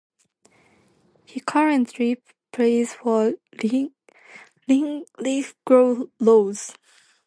He currently plays for Linlithgow Rose.